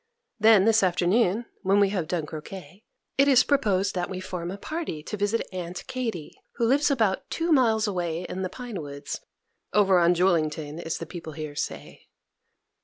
Then this afternoon, when we have done croquet, it is proposed that we form a party to visit Aunt Katy, who lives about two miles away in the pine woods, "over on Julington" as the people here say.